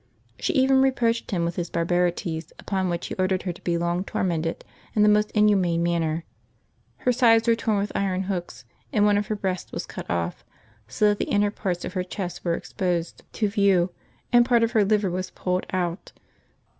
She even reproached him with his barbarities, upon which he ordered her to be long tormented in the APBiL 17] LIVES OF THE SAINTS 149 most inhuinan manner: her sides were torn with iron hooks, and one of her breasts was cut off, so that the inner parts of her chest were exposed to view, and part of her liver was pulled out.